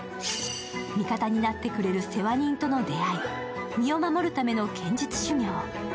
味方になってくれる世話人との出会い、身を守るための剣術修行。